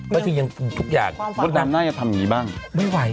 ไม่ถึงอย่างทุกอย่างผู้ชายดำน่าจะทำแบบนี้บ้างไม่ไหว